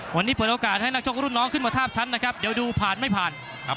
วันนี้เปิดโอกาสให้นักชกรุ่นน้องขึ้นมาทาบชั้นนะครับเดี๋ยวดูผ่านไม่ผ่านครับ